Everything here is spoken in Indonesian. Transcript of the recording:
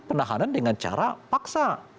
penahanan dengan cara paksa